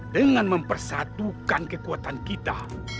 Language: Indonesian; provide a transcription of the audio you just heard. dengan mempersatukan kekuatan kita